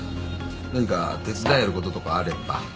何か手伝えることとかあれば。